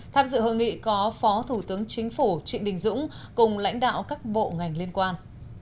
tham dự hội nghị có phó thủ tướng chính phủ trịnh đình dũng cùng lãnh đạo các bộ ngành liên quan